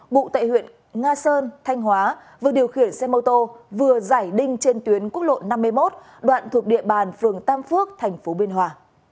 ngụ tại huyện nga sơn thanh hóa vừa điều khiển xe mô tô vừa giải đinh trên tuyến quốc lộ năm mươi một đoạn thuộc địa bàn phường tam phước thành phố biên hòa